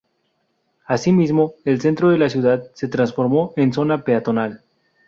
Asimismo, el centro de la ciudad se transformó en zona peatonal.